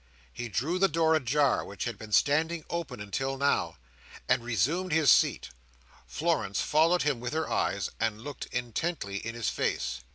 He drew the door ajar, which had been standing open until now, and resumed his seat. Florence followed him with her eyes, and looked intently in his face.